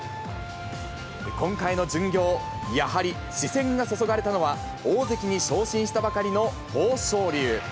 今回の巡業、やはり視線が注がれたのは、大関に昇進したばかりの豊昇龍。